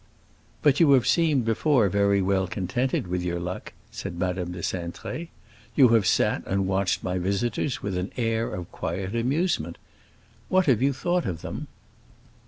"But you have seemed before very well contented with your luck," said Madame de Cintré. "You have sat and watched my visitors with an air of quiet amusement. What have you thought of them?"